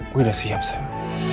gue udah siap sam